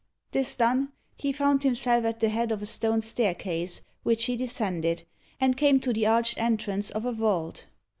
This done, he found himself at the head of a stone staircase, which he descended, and came to the arched entrance of a vault.